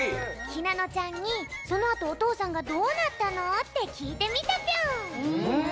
ひなのちゃんにそのあとお父さんがどうなったの？ってきいてみたぴょん。